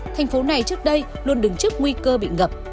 thành phố này trước đây luôn đứng trước nguy cơ bị ngập